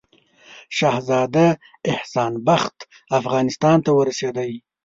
شهزاده احسان بخت افغانستان ته ورسېدی.